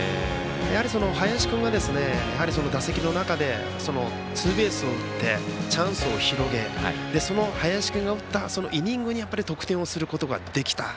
林君は打席の中でツーベースを打ってチャンスを広げその林君が打ったそのイニングに得点をすることができた。